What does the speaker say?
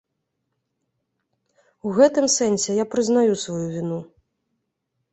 У гэтым сэнсе я прызнаю сваю віну.